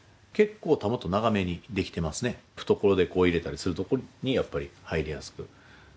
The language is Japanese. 懐手こう入れたりするところにやっぱり入りやすくなるように常々。